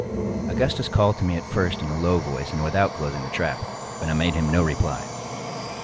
Augustus called to me at first in a low voice and without closing the trap—but I made him no reply.